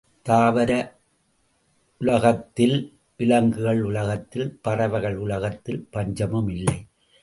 தாவர உலகத்தில், விலங்குகள் உலகத்தில், பறவைகள் உலகத்தில் பஞ்சமும் இல்லை.